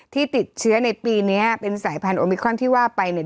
ที่ติดเชื้อในปีนี้เป็นสายพันธุมิครอนที่ว่าไปเนี่ย